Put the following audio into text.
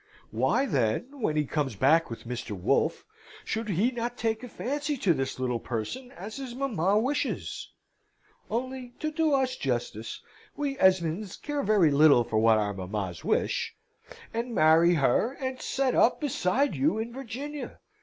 "Why, then, when he comes back with Mr. Wolfe, should he not take a fancy to this little person, as his mamma wishes only, to do us justice, we Esmonds care very little for what our mammas wish and marry her, and set up beside you in Virginia?